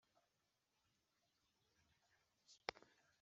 zo kurwanya ubukene n'uburyo yateguwe,